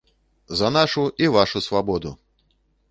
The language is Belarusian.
За нашу і вашу свабоду!